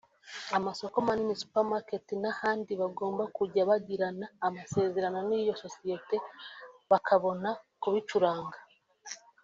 amasoko manini (Super market) n’ahandi bagomba kujya bagirana amasezerano n’iyo Sosiyete bakabona kubicuranga